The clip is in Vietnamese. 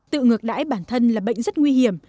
tự ngược đãi bản thân là bệnh rất nguy hiểm